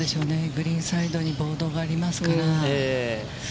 グリーンサイドにボードがありますから。